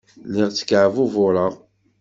Lliɣ ttkeɛbubureɣ.